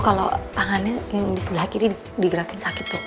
kalau tangannya di sebelah kiri digerakkan sakit